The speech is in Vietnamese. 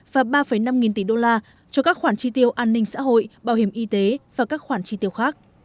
và ba năm nghìn tỷ đô la cho các khoản chi tiêu an ninh xã hội bảo hiểm y tế và các khoản chi tiêu khác